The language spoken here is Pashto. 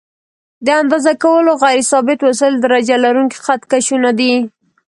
د اندازه کولو غیر ثابت وسایل درجه لرونکي خط کشونه دي.